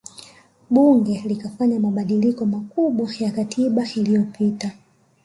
Bunge likafanya mabadiliko makubwa ya katiba iliyopita